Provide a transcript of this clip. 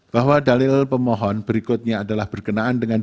bahwa dalil pemohon berikutnya adalah berkenaan dengan